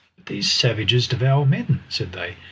"But these savages devour men!" said they.